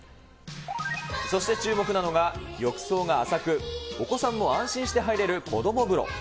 そして注目なのが、浴槽が浅く、お子さんも安心して入れる子ども風呂。